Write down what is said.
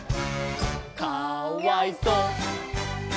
「かわいそ！」